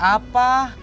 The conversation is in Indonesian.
saya pengkhianat apa